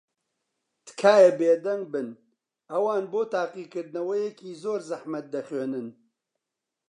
تکایە بێدەنگ بن. ئەوان بۆ تاقیکردنەوەیەکی زۆر زەحمەت دەخوێنن.